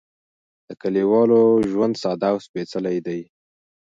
د کليوالو ژوند ساده او سپېڅلی دی.